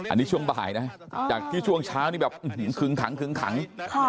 อันนี้ฉ่วงบ่ายนะจากที่ช่วงช้างคืนขัง